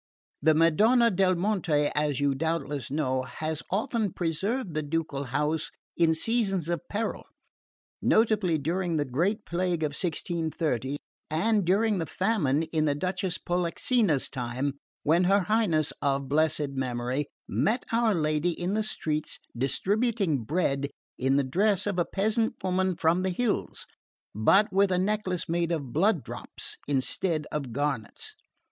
The Madonna del Monte, as you doubtless know, has often preserved the ducal house in seasons of peril, notably during the great plague of 1630 and during the famine in the Duchess Polixena's time, when her Highness, of blessed memory, met our Lady in the streets distributing bread, in the dress of a peasant woman from the hills, but with a necklace made of blood drops instead of garnets.